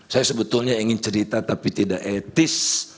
saya sebetulnya ingin cerita tapi tidak etis